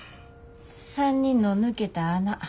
３人の抜けた穴